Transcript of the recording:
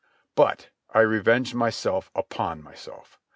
But I revenged myself upon myself.